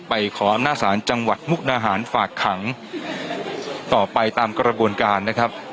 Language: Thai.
ขออำนาจศาลจังหวัดมุกนาหารฝากขังต่อไปตามกระบวนการนะครับ